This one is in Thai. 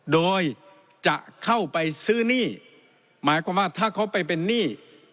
โดยจะเข้าไปซื้อหนี้หมายความว่าถ้าเขาไปเป็นหนี้